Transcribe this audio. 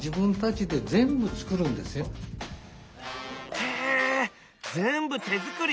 へえ全部手作り！